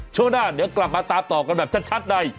ช่วงหน้าเดี๋ยวกลับมาตามต่อกันแบบชัดใน